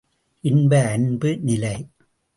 இன்ப அன்பு நிலை!